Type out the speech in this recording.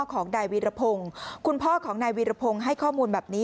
ของนายวีรพงศ์คุณพ่อของนายวีรพงศ์ให้ข้อมูลแบบนี้